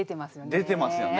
出てますよね。